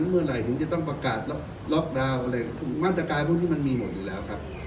เมื่อไหร่ถึงจะต้องประกาศล็อกดาวน์อะไรมาตรการพวกนี้มันมีหมดอยู่แล้วครับ